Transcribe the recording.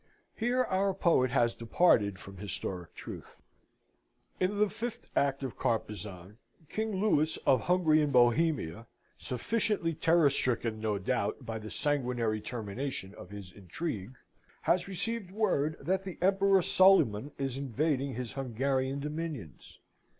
Here our poet has departed from historic truth. In the fifth act of Carpezan King Louis of Hungary and Bohemia (sufficiently terror stricken, no doubt, by the sanguinary termination of his intrigue) has received word that the Emperor Solyman is invading his Hungarian dominions.